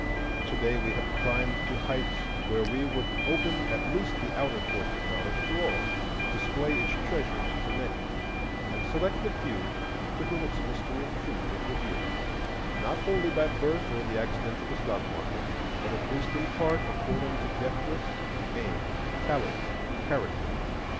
To day we have climbed to heights where we would open at least the outer courts of knowledge to all, display its treasures to many, and select the few to whom its mystery of Truth is revealed, not wholly by birth or the accidents of the stock market, but at least in part according to deftness and aim, talent and character.